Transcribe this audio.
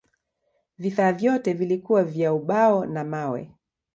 Vifaa vyote vilikuwa vya ubao na mawe.